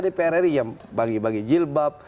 dpr ri yang bagi bagi jilbab